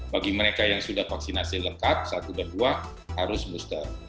bagi mereka yang sudah vaksinasi lengkap satu dan dua harus booster